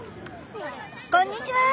こんにちは。